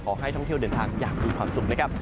ขอให้ท่องเที่ยวเดินทางอย่างมีความสุขนะครับ